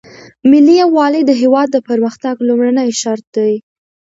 ملي یووالی د هیواد د پرمختګ لومړنی شرط دی.